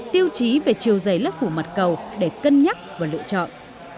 tiêu chí về chiều dày lớp phủ mặt cầu để cân nhắc và lựa chọn